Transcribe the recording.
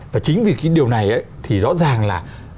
và chính vì cái điều này thì rõ ràng là